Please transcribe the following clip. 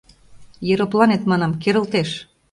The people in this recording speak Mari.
— Еропланет, манам, керылтеш!